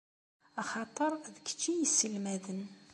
Axaṭer d kečč i iyi-isselmaden.